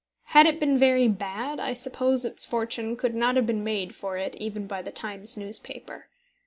Had it been very bad, I suppose its fortune could not have been made for it even by the Times newspaper.